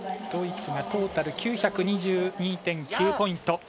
ドイツがトータル９２２．９ポイント。